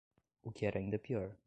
O que era ainda pior